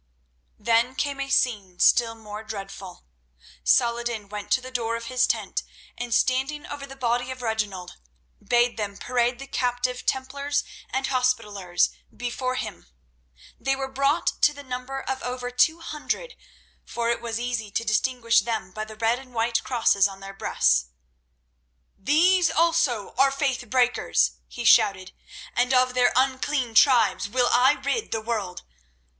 Then came a scene still more dreadful. Saladin went to the door of his tent, and standing over the body of Reginald, bade them parade the captive Templars and Hospitallers before him. They were brought to the number of over two hundred, for it was easy to distinguish them by the red and white crosses on their breasts. "These also are faith breakers," he shouted, "and of their unclean tribes will I rid the world.